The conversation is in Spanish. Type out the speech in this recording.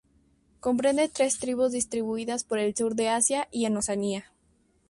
Comprende tres tribus distribuidas por el sur de Asia y en Oceanía.